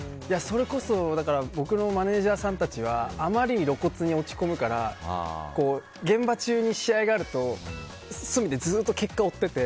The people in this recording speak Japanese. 僕のマネジャーさんたちはあまりに露骨に落ち込むから現場中に試合があると隅でずっと結果を追っていて。